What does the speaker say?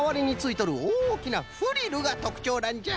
おおきなフリルがとくちょうなんじゃ。